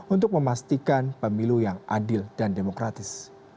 untuk memastikan pemilu yang adil dan demokratis